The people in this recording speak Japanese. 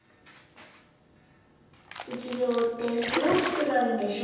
うつ病ってすごくつらいんでしょ？